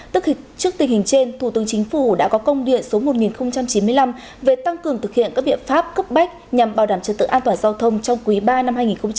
tức trước tình hình trên thủ tướng chính phủ đã có công điện số một nghìn chín mươi năm về tăng cường thực hiện các biện pháp cấp bách nhằm bảo đảm trật tự an toàn giao thông trong quý ba năm hai nghìn hai mươi